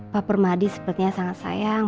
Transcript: pak permadi sepertinya sangat sayang